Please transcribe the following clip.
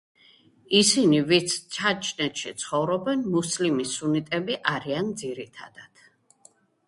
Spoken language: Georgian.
ისინი ვინც ჩაჩნეთში ცხოვრობენ მუსლიმი სუნიტები არიან ძირითადად.